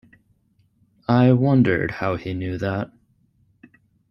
I wondered how he knew that.